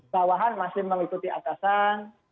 bawahan masih mengikuti atasan